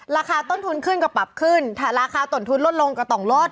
ราคาต้นทุนขึ้นก็ปรับขึ้นถ้าราคาตนทุนลดลงก็ต้องลด